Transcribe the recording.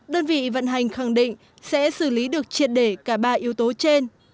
đơn vị vận hành khẳng định sẽ xử lý được triệt để cả ba yếu tố trên